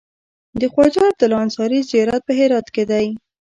د خواجه عبدالله انصاري زيارت په هرات کی دی